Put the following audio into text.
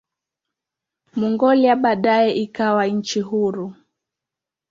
Mongolia baadaye ikawa nchi huru.